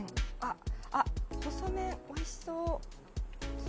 細麺、おいしそう。